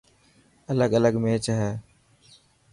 الگ الگ ميچ هي.